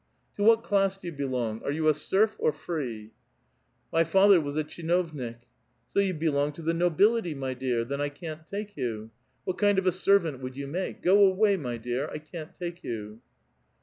" To what class do you belong? Are you a serf or free? "'* My father was a tcJihiovnik.*' ^ *'8oyou belong to the nobility, my dear? Then I can't take you. What kind of a servant would you make? Go away, my dear ; I can't take you."